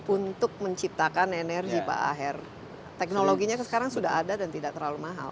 untuk menciptakan energi pak aher teknologinya sekarang sudah ada dan tidak terlalu mahal